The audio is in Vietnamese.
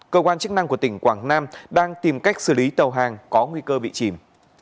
cơ quan chức năng của tỉnh quảng nam đang tìm cách xử lý tàu hàng có nguy cơ bị chìm